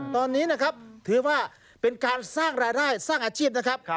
ตอนนี้นะครับถือว่าเป็นการสร้างรายได้สร้างอาชีพนะครับ